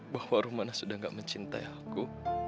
bahwa rumana sudah gak mencintai aku